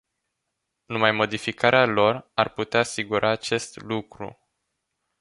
Numai modificarea lor ar putea asigura acest lucru.